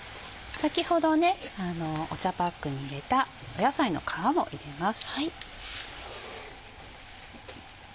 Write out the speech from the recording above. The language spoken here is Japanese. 先ほどお茶パックに入れた野菜の皮も入れます。